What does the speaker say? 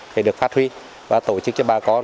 phải được phát huy và tổ chức cho bà con